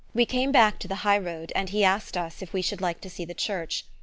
We came back to the high road, and he asked us if we should like to see the church.